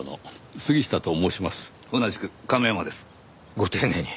ご丁寧に。